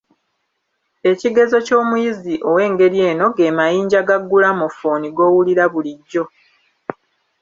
Ekigezo ky'omuyizi ow'engeri eno ge mayinja ga ggulamafooni g'owulira bulijjo.